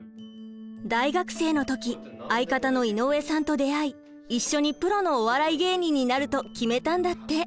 大学生の時相方の井上さんと出会い一緒にプロのお笑い芸人になると決めたんだって。